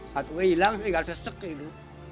batuknya hilang sehingga sesek itu